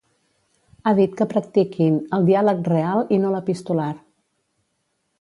Ha dit que practiquin el ‘diàleg real i no l’epistolar’.